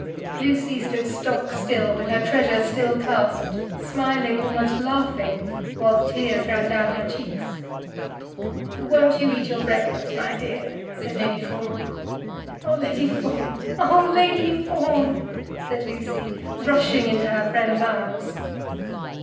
Lucy stood stock still, with her treasure still clasped, smiling, almost laughing, while the tears ran down her cheeks. "Won't you eat your breakfast, my dear?" said Lady Fawn. "Oh, Lady Fawn oh, Lady Fawn!" said Lucy, rushing into her friend's arms.